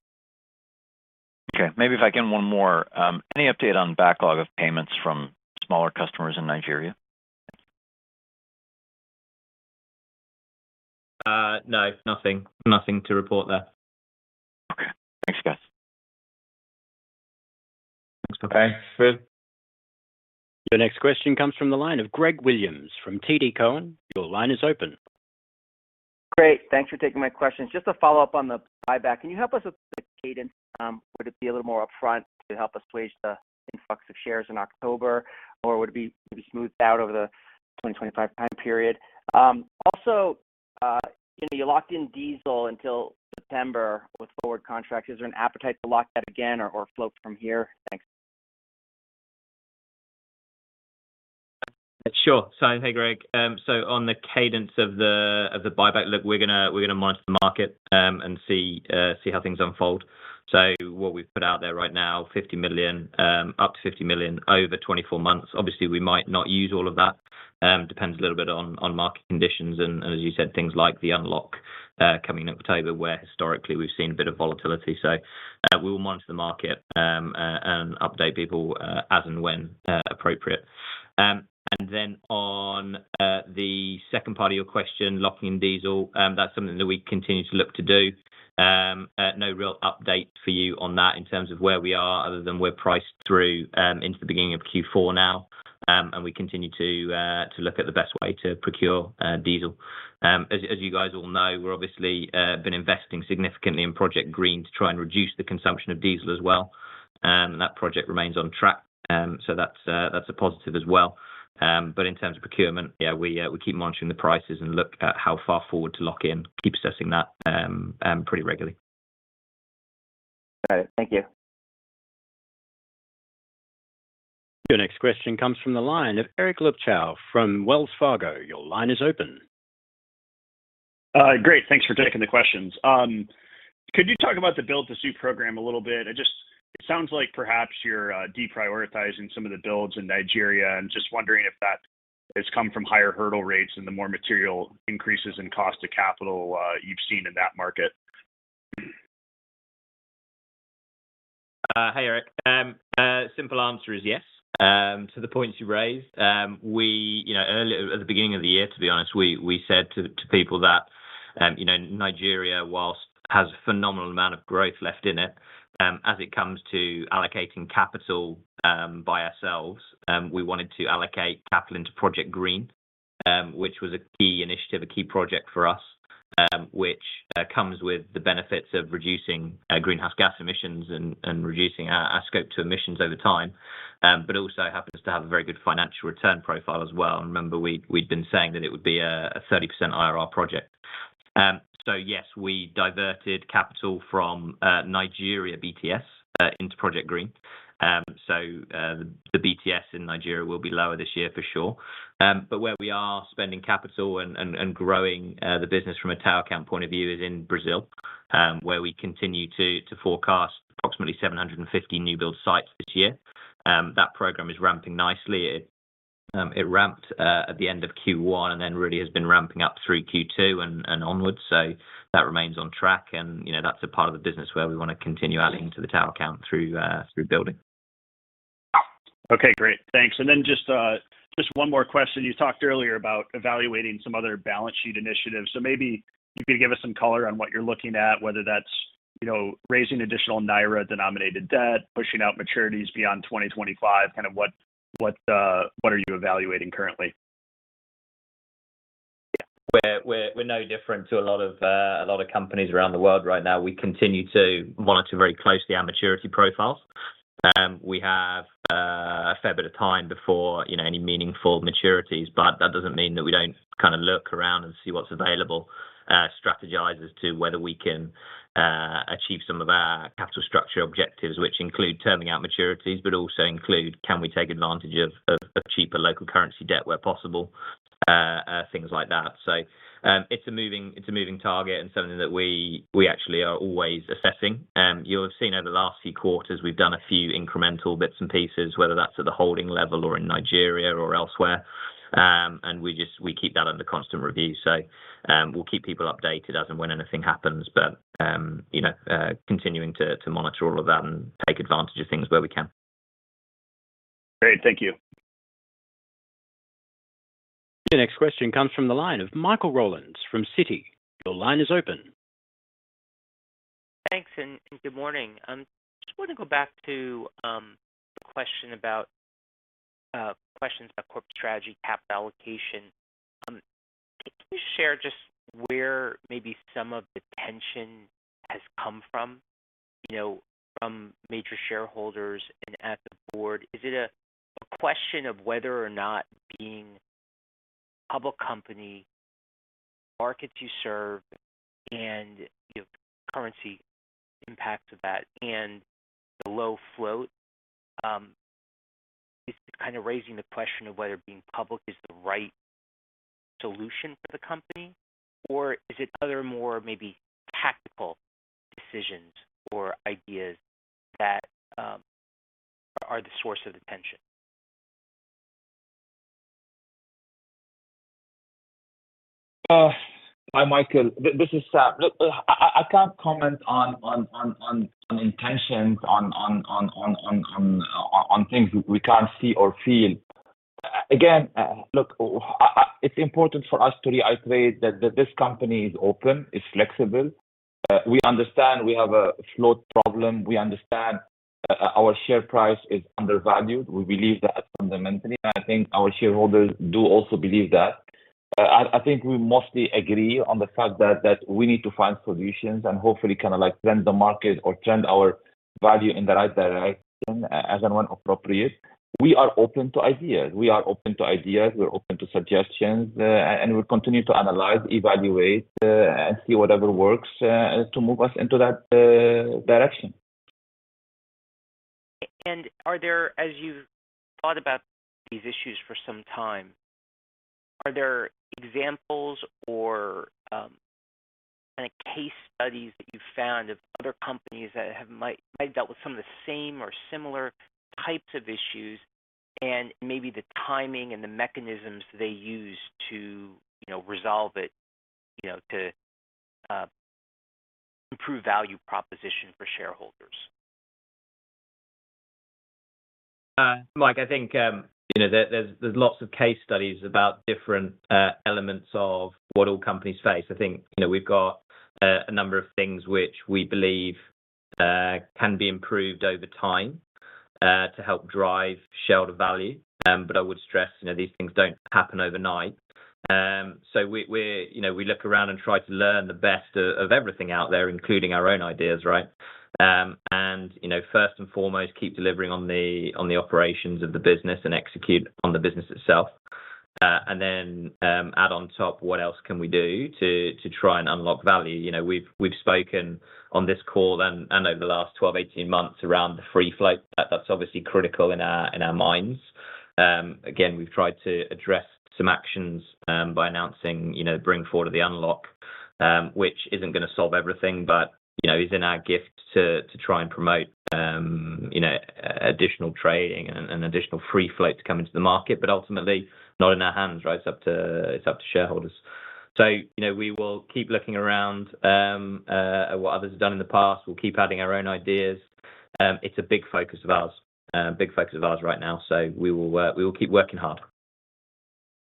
Okay, maybe if I can one more. Any update on backlog of payments from smaller customers in Nigeria? No, nothing. Nothing to report there. Okay. Thanks, guys. Okay, Phil. Your next question comes from the line of Greg Williams from TD Cowen. Your line is open. Great, thanks for taking my questions. Just a follow-up on the buyback. Can you help us with the cadence? Would it be a little more upfront to help assuage the influx of shares in October, or would it be maybe smoothed out over the 2025 time period? Also, you locked in diesel until September with forward contracts. Is there an appetite to lock that again or, or float from here? Thanks. Sure. Hey, Greg, so on the cadence of the, of the buyback, look, we're gonna, we're gonna monitor the market and see, see how things unfold. What we've put out there right now, $50 million, up to $50 million over 24 months. Obviously, we might not use all of that, depends a little bit on, on market conditions, and as you said, things like the unlock, coming in October, where historically we've seen a bit of volatility. We will monitor the market and update people as and when appropriate. Then on the second part of your question, locking in diesel, that's something that we continue to look to do. No real update for you on that in terms of where we are other than we're priced through into the beginning of Q4 now. We continue to look at the best way to procure diesel. As you guys all know, we're obviously been investing significantly in Project Green to try and reduce the consumption of diesel as well. That project remains on track. That's a positive as well. In terms of procurement, yeah, we keep monitoring the prices and look at how far forward to lock in, keep assessing that pretty regularly. All right. Thank you. Your next question comes from the line of Eric Luebchow from Wells Fargo. Your line is open. Great, thanks for taking the questions. Could you talk about the build-to-suit program a little bit? It sounds like perhaps you're deprioritizing some of the builds in Nigeria, and just wondering if that has come from higher hurdle rates and the more material increases in cost to capital you've seen in that market. Hi, Eric. Simple answer is yes. To the points you raised, we, you know, earlier, at the beginning of the year, to be honest, we, we said to, to people that, you know, Nigeria, whilst has a phenomenal amount of growth left in it, as it comes to allocating capital, by ourselves, we wanted to allocate capital into Project Green, which was a key initiative, a key project for us, which, comes with the benefits of reducing, greenhouse gas emissions and, and reducing our, our scope 2 emissions over time, but also happens to have a very good financial return profile as well. Remember, we'd been saying that it would be a 30% IRR project. So yes, we diverted capital from Nigeria BTS into Project Green. The BTS in Nigeria will be lower this year for sure. Where we are spending capital and, and, and growing the business from a tower count point of view is in Brazil, where we continue to forecast approximately 750 new build sites this year. That program is ramping nicely. It ramped at the end of Q1 and then really has been ramping up through Q2 and onwards, so that remains on track, and, you know, that's a part of the business where we want to continue adding to the tower count through building. Okay, great. Thanks. Then just, just one more question. You talked earlier about evaluating some other balance sheet initiatives. Maybe you could give us some color on what you're looking at, whether that's, you know, raising additional naira-denominated debt, pushing out maturities beyond 2025, kind of what, what, what are you evaluating currently? Yeah. We're no different to a lot of companies around the world right now. We continue to monitor very closely our maturity profiles. We have a fair bit of time before, you know, any meaningful maturities, but that doesn't mean that we don't kind of look around and see what's available, strategize as to whether we can achieve some of our capital structure objectives, which include terming out maturities, but also include can we take advantage of cheaper local currency debt where possible. things like that. It's a moving target and something that we actually are always assessing. You'll have seen over the last few quarters, we've done a few incremental bits and pieces, whether that's at the holding level or in Nigeria or elsewhere. We keep that under constant review. We'll keep people updated as and when anything happens. You know, continuing to monitor all of that and take advantage of things where we can. Great. Thank you. The next question comes from the line of Michael Rollins from Citi. Your line is open. Thanks, and good morning. I just want to go back to, the question about, questions about corporate strategy, capital allocation. Can you share just where maybe some of the tension has come from, you know, from major shareholders and at the board? Is it a, a question of whether or not being a public company, markets you serve, and, you know, currency impacts of that and the low float? Is it kind of raising the question of whether being public is the right solution for the company, or is it other more maybe tactical decisions or ideas that, are the source of the tension? Hi, Michael Rollins. This is Sam Darwish. Look, I, I, I can't comment on intentions, on things we can't see or feel. Again, look, it's important for us to reiterate that this company is open, it's flexible. We understand we have a float problem. We understand our share price is undervalued. We believe that fundamentally, and I think our shareholders do also believe that. I, I think we mostly agree on the fact that we need to find solutions and hopefully kind of like trend the market or trend our value in the right direction as, and when appropriate. We are open to ideas. We are open to ideas, we're open to suggestions, and we continue to analyze, evaluate, and see whatever works to move us into that direction. Are there, as you've thought about these issues for some time, are there examples or, kind of case studies that you found of other companies that have might dealt with some of the same or similar types of issues, and maybe the timing and the mechanisms they use to, you know, resolve it, you know, to improve value proposition for shareholders? Mike, I think, you know, there, there's, there's lots of case studies about different elements of what all companies face. I think, you know, we've got a number of things which we believe can be improved over time to help drive shareholder value. I would stress, you know, these things don't happen overnight. We, you know, we look around and try to learn the best of everything out there, including our own ideas, right? You know, first and foremost, keep delivering on the operations of the business and execute on the business itself. Then, add on top, what else can we do to try and unlock value? You know, we've spoken on this call and over the last 12, 18 months around the free float. That-that's obviously critical in our, in our minds. Again, we've tried to address some actions, by announcing, you know, bring forward the unlock, which isn't going to solve everything, but, you know, is in our gift to, to try and promote, you know, additional trading and, and additional free float to come into the market, but ultimately not in our hands, right. It's up to, it's up to shareholders. You know, we will keep looking around, at what others have done in the past. We'll keep adding our own ideas. It's a big focus of ours, big focus of ours right now. We will work-- we will keep working hard.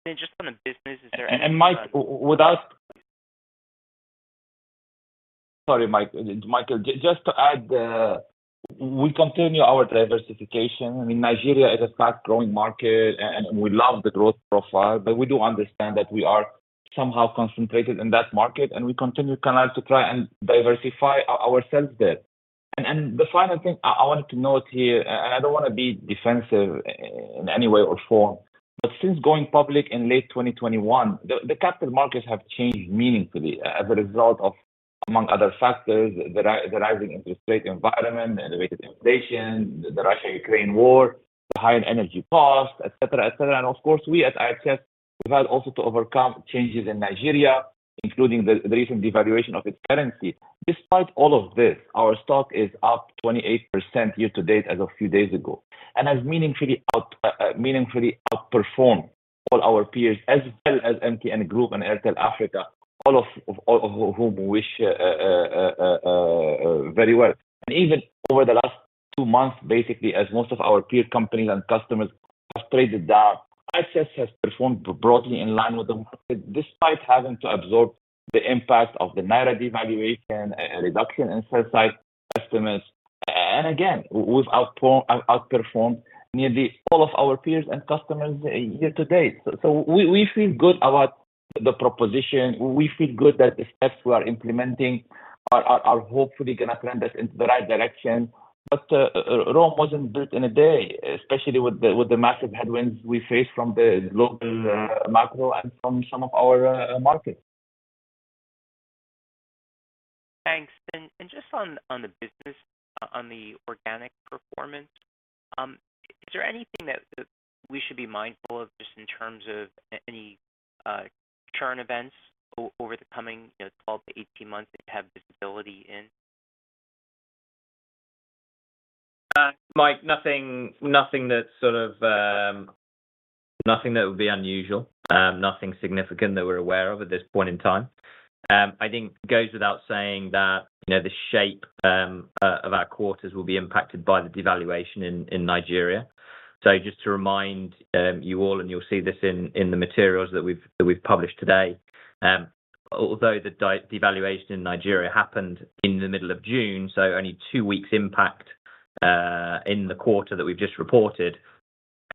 Just on the business, is there any- Mike, without... Sorry, Mike, Michael, just to add, we continue our diversification. I mean, Nigeria is a fast-growing market, and, and we love the growth profile, but we do understand that we are somehow concentrated in that market, and we continue to kind of to try and diversify our, ourselves there. The final thing I, I wanted to note here, and I don't want to be defensive in any way or form, but since going public in late 2021, the, the capital markets have changed meaningfully as a result of, among other factors, the rising interest rate environment, the elevated inflation, the Russia-Ukraine war, the high-end energy costs, et cetera, et cetera. Of course, we at IHS have had also to overcome changes in Nigeria, including the, the recent devaluation of its currency. Despite all of this, our stock is up 28% year to date as of a few days ago, and has meaningfully outperformed all our peers, as well as MTN Group and Airtel Africa, all of whom wish very well. Even over the last 2 months, basically, as most of our peer companies and customers have traded down, IHS has performed broadly in line with the market, despite having to absorb the impact of the naira devaluation, a reduction in sell-side estimates, and again, we've outperformed nearly all of our peers and customers year to date. We feel good about the proposition. We feel good that the steps we are implementing are hopefully going to trend us into the right direction. Rome wasn't built in a day, especially with the, with the massive headwinds we face from the global, macro and from some of our, markets. Thanks. Just on, on the business, on the organic performance, is there anything that, that we should be mindful of just in terms of any, churn events over the coming, you know, 12 to 18 months that you have visibility in? Mike, nothing, nothing that sort of, nothing that would be unusual, nothing significant that we're aware of at this point in time. I think it goes without saying that, you know, the shape of our quarters will be impacted by the devaluation in Nigeria. Just to remind, you all, and you'll see this in the materials that we've, that we've published today. Although the de- devaluation in Nigeria happened in the middle of June, so only 2 weeks impact in the quarter that we've just reported,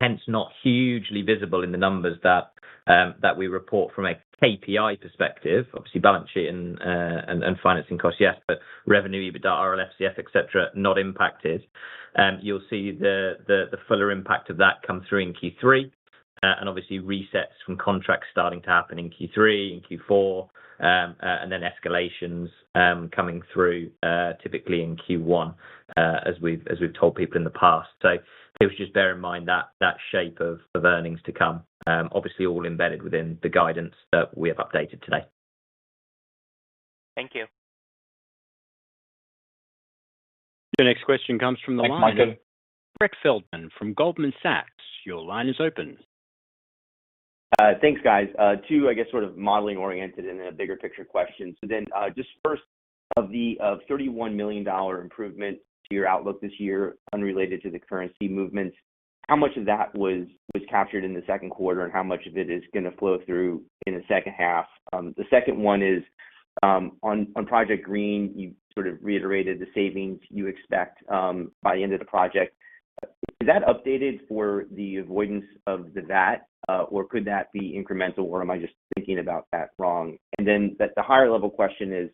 hence, not hugely visible in the numbers that we report from a KPI perspective. Obviously, balance sheet and, and, and financing costs, yes, but revenue, EBITDA, RLCF, et cetera, not impacted. You'll see the, the, the fuller impact of that come through in Q3, and obviously resets from contracts starting to happen in Q3 and Q4. Then escalations, coming through, typically in Q1, as we've, as we've told people in the past. It was just bear in mind that, that shape of, of earnings to come, obviously all embedded within the guidance that we have updated today. Thank you. The next question comes from the line- Thanks, Michael. Brett Feldman from Goldman Sachs. Your line is open. Thanks, guys. 2, I guess, sort of modeling oriented and then a bigger picture question. Just first of the, of $31 million improvement to your outlook this year, unrelated to the currency movements, how much of that was, was captured in the Q2, and how much of it is going to flow through in the H2? The second one is, on Project Green, you sort of reiterated the savings you expect by the end of the project. Is that updated for the avoidance of the VAT, or could that be incremental, or am I just thinking about that wrong? The, the higher level question is,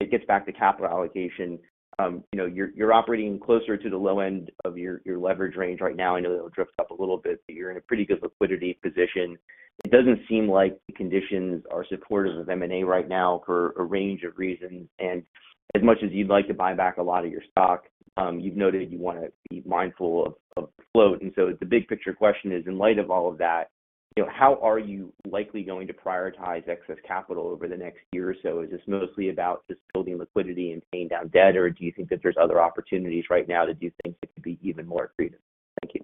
it gets back to capital allocation. You know, you're, you're operating closer to the low end of your, your leverage range right now. I know it drifts up a little bit, but you're in a pretty good liquidity position. It doesn't seem like the conditions are supportive of M&A right now for a range of reasons. As much as you'd like to buy back a lot of your stock, you've noted you want to be mindful of float. So the big picture question is, in light of all of that, you know, how are you likely going to prioritize excess capital over the next year or so? Is this mostly about just building liquidity and paying down debt, or do you think that there's other opportunities right now that you think it could be even more accretive? Thank you.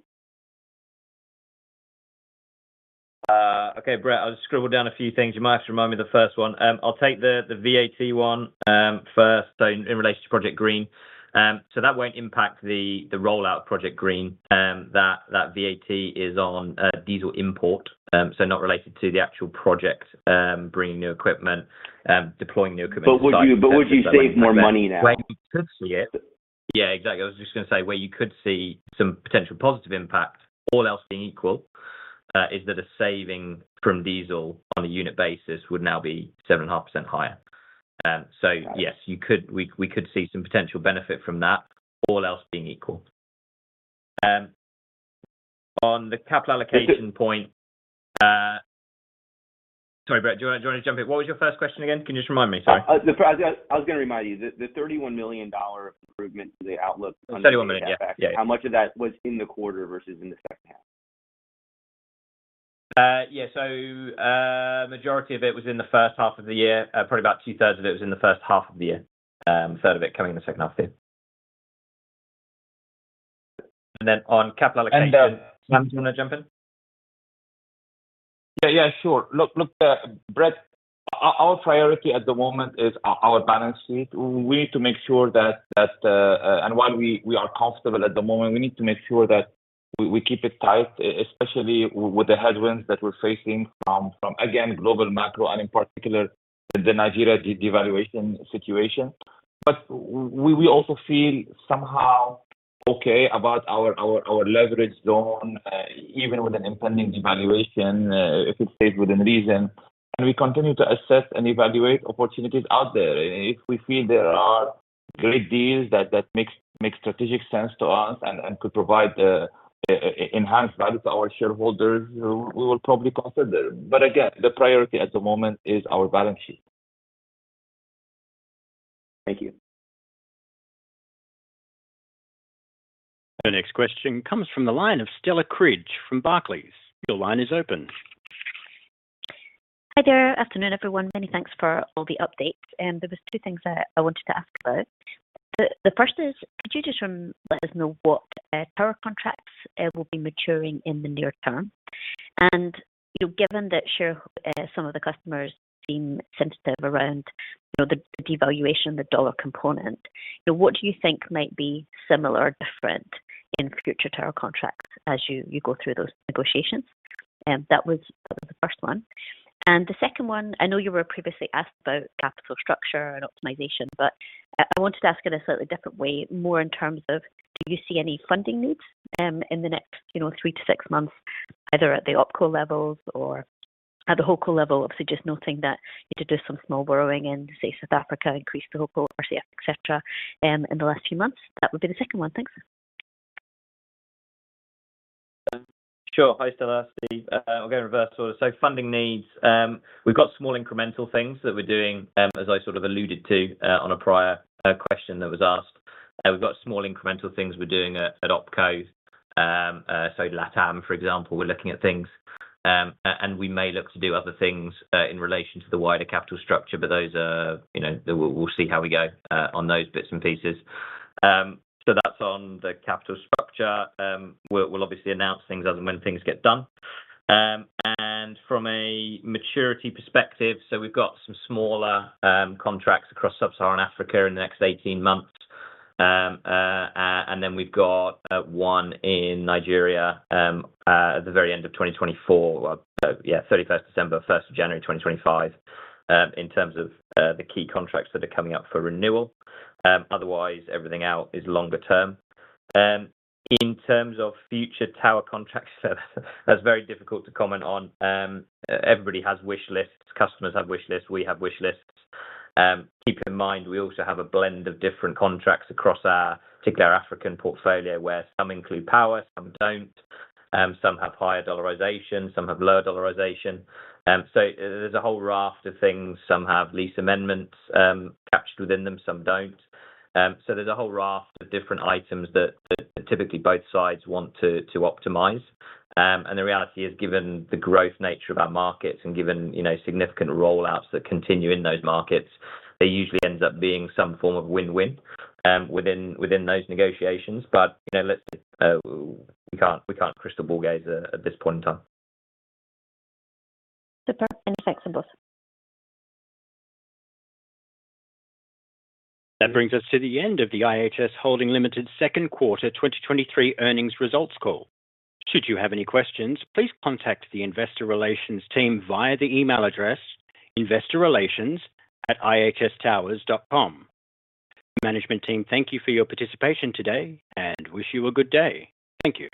Okay, Brett, I'll just scribble down a few things. You might have to remind me the first one. I'll take the, the VAT one, first, in relation to Project Green. That won't impact the, the rollout of Project Green, that, that VAT is on a diesel import, so not related to the actual project, bringing new equipment, deploying new equipment- Would you, but would you save more money now? Where you could see it... Yeah, exactly. I was just going to say, where you could see some potential positive impact, all else being equal, is that a saving from diesel on a unit basis would now be 7.5% higher. Yes, we, we could see some potential benefit from that, all else being equal. On the capital allocation point, sorry, Brett, do you want, do you want to jump in? What was your first question again? Can you just remind me? Sorry. The, I, I was going to remind you, the, the $31 million improvement to the outlook... $31 million, yeah. How much of that was in the quarter versus in the H2? Yeah. Majority of it was in the first half of the year. Probably about 2/3 of it was in the first half of the year, a 3rd of it coming in the H2 of the year. Then on capital allocation- And, uh- Sam, do you want to jump in? Yeah, yeah, sure. Look, look, Brett, our, our priority at the moment is our, our balance sheet. We need to make sure that. While we, we are comfortable at the moment, we need to make sure that we, we keep it tight, especially with the headwinds that we're facing from, from, again, global macro and in particular, the Nigeria devaluation situation. We, we also feel somehow okay about our, our, our leverage zone, even with an impending devaluation, if it stays within reason, and we continue to assess and evaluate opportunities out there. If we feel there are great deals that makes strategic sense to us and could provide enhanced value to our shareholders, we will probably consider. Again, the priority at the moment is our balance sheet. Thank you. The next question comes from the line of Stella Cridge from Barclays. Your line is open. Hi there. Afternoon, everyone. Many thanks for all the updates. There was 2 things I wanted to ask about. The first is, could you just let us know what power contracts will be maturing in the near term? You know, given that share-- some of the customers seem sensitive around, you know, the devaluation, the dollar component, you know, what do you think might be similar or different in future tower contracts as you go through those negotiations? That was the first one. The second one, I know you were previously asked about capital structure and optimization, but I wanted to ask it a slightly different way, more in terms of, do you see any funding needs in the next, you know, 3-6 months, either at the OpCo levels or at the HoldCo level? Obviously, just noting that you did do some small borrowing in, say, South Africa, increased the HoldCo, RCF, et cetera, in the last few months. That would be the second one. Thanks. Sure. Hi, Stella. Steve, I'll go in reverse order. Funding needs, we've got small incremental things that we're doing, as I sort of alluded to, on a prior question that was asked. We've got small incremental things we're doing at, at OpCo. LATAM, for example, we're looking at things, and we may look to do other things in relation to the wider capital structure, but those are, you know, we'll, we'll see how we go on those bits and pieces. That's on the capital structure. We'll, we'll obviously announce things as and when things get done. From a maturity perspective, we've got some smaller contracts across Sub-Saharan Africa in the next 18 months. We've got 1 in Nigeria at the very end of 2024. Well, yeah, 31st December, 1st of January 2025, in terms of the key contracts that are coming up for renewal. Otherwise, everything else is longer term. In terms of future tower contracts, that's very difficult to comment on. Everybody has wish lists, customers have wish lists, we have wish lists. Keep in mind, we also have a blend of different contracts across our, particularly our African portfolio, where some include power, some don't, some have higher dollarization, some have lower dollarization. There's a whole raft of things. Some have lease amendments captured within them, some don't. There's a whole raft of different items that, that typically both sides want to, to optimize. The reality is, given the growth nature of our markets and given, you know, significant rollouts that continue in those markets, there usually ends up being some form of win-win within, within those negotiations. You know, let's, we can't, we can't crystal ball gaze at, at this point in time. Super. Thanks a lot. That brings us to the end of the IHS Holding Limited Q2 2023 earnings results call. Should you have any questions, please contact the investor relations team via the email address, investorrelations@ihstowers.com. Management team, thank you for your participation today, and wish you a good day. Thank you.